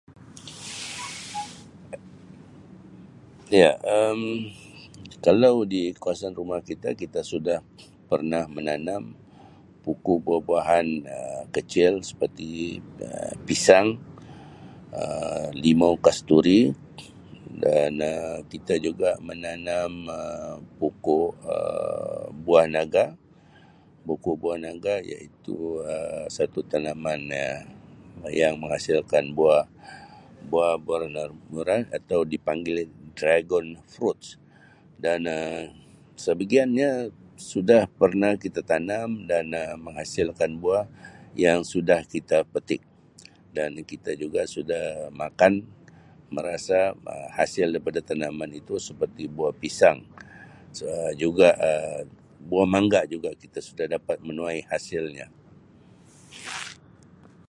"Iya Um kalau di kawasan rumah kita kita sudah pernah menanam pokok buah-buahan Um kecil seperti Um pisang Um limau kasturi dan Um kita juga menaman Um pokok Um buah naga pokok buah naga iaitu[Um] satu tanaman ya yang menghasilkan buah buah [unintelligible] atua dipanggil ""Dragon Fruits"" dan Um sebagianya suda pernah kita tanam dan menghasilkan buah yang sudah kita petik dan kita juga sudah makan merasa Um hasil daripada tanaman itu seperti buah pisang Um juga buah mangga juga kita sudah dapat menuai hasilnya."